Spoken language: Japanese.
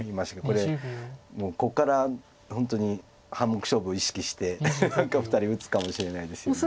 これここから本当に半目勝負意識して何か２人打つかもしれないですよね。